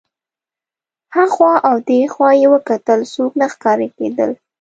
هخوا او دېخوا یې وکتل څوک نه ښکارېدل.